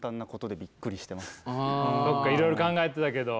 そっかいろいろ考えてたけど。